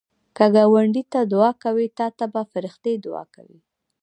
که ګاونډي ته دعا کوې، تا ته به فرښتې دعا کوي